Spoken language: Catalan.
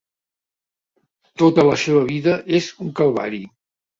Tota la seva vida és un calvari.